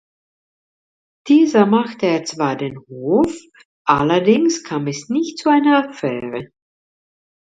Dieser machte ihr zwar den Hof, allerdings kam es nicht zu einer Affäre.